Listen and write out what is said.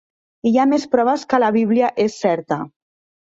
Hi ha més proves que la Bíblia és certa.